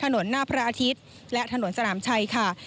หน้าพระอาทิตย์และถนนสนามชัยค่ะ